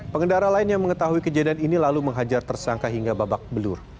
pengendara lain yang mengetahui kejadian ini lalu menghajar tersangka hingga babak belur